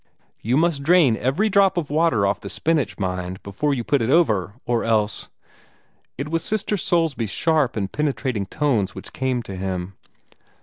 "You must dreen every drop of water off the spinach, mind, before you put it over, or else " It was Sister Soulsby's sharp and penetrating tones which came to him.